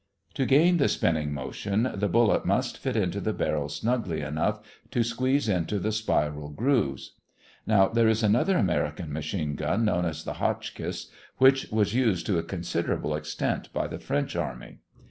To gain the spinning motion the bullet must fit into the barrel snugly enough to squeeze into the spiral grooves. Now there is another American machine gun known as the Hotchkiss, which was used to a considerable extent by the French Army.